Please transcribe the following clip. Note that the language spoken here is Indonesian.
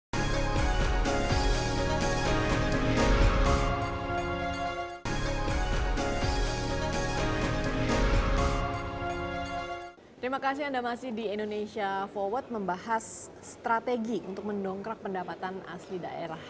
terima kasih anda masih di indonesia forward membahas strategi untuk mendongkrak pendapatan asli daerah